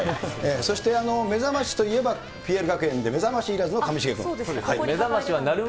そして目覚ましといえば、ＰＬ学園で目覚ましいらずの上重君。